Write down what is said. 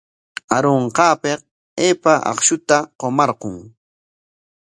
Arunqaapik aypa akshuta qumarqun.